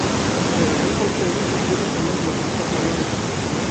De regreso al Perú siguió difundiendo la música peruana.